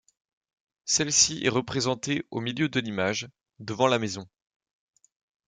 Celle-ci est représentée au milieu de l’image, devant la maison.